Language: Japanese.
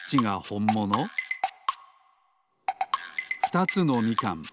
ふたつのみかん。